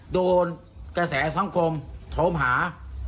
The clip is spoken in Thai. โดนกระแสสังคมโถมหา